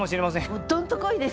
もうドンと来いですよ！